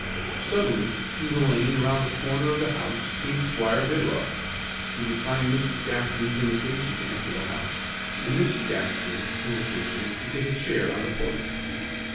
Suddenly through the lane around the corner of the house came Squire Bidwell. He declined Mrs. Gaston's invitation to enter the house, and Mr. Gaston's invitation to take a chair on the porch.